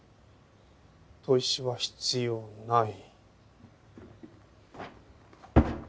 砥石は必要ない。